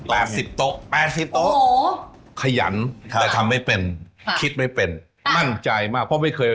โดยเป็น๑๐กว่าล้าน